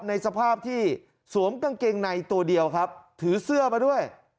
ในสภาพที่สวมกางเกงในตัวเดียวครับถือเสื้อมาด้วย